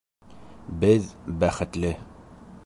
— Беҙ бәхетле!